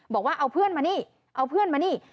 บอกว่าเอาเพื่อนมานี่เอาเพื่อนมานี่